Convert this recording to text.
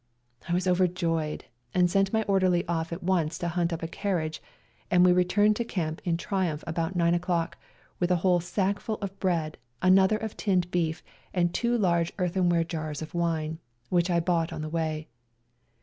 I was overjoyed, and sent my orderly off at once to hunt up a carriage, and we retiu^ned to camp in triumph about 9 o'clock with a whole sackful of bread, another of tinned beef, and two large earthenware jars of wine, which I bought on the way.